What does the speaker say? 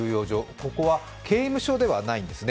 ここは刑務所ではないんですね。